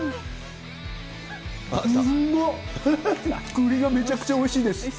栗がめちゃくちゃおいしいです。